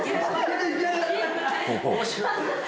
面白い。